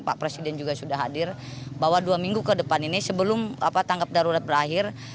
pak presiden juga sudah hadir bahwa dua minggu ke depan ini sebelum tangkap darurat berakhir